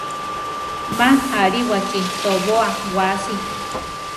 Ma alíwachi tobóa waasi.